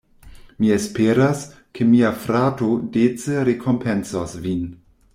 Mi esperas, ke mia frato dece rekompencos vin.